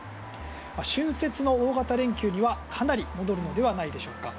春節の大型連休には、かなり戻るのではないでしょうか。